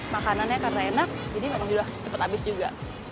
makanan yang paling enak jadi cepat habis juga